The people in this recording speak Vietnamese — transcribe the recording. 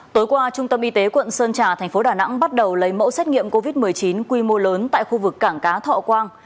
tối qua trung tâm y tế quận sơn trà thành phố đà nẵng bắt đầu lấy mẫu xét nghiệm covid một mươi chín quy mô lớn tại khu vực cảng cá thọ quang